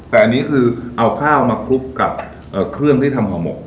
แต่อันนี้คือเอาข้าวมาคลุกกับเครื่องที่ทำห่อหมก